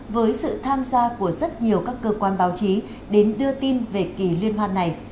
với sự tham gia của rất nhiều các cơ quan báo chí đến đưa tin về kỳ liên hoan này